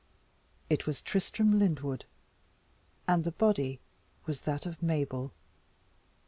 It was Tristram Lyndwood, and the body was that of Mabel.